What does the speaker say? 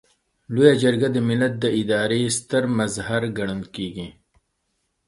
لویه جرګه د ملت د ادارې ستر مظهر ګڼل کیږي.